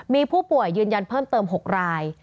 มีผู้ป่วยยืนยันเพิ่มเติม๖ราย